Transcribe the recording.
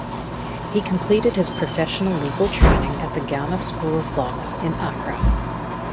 He completed his professional legal training at the Ghana School of Law in Accra.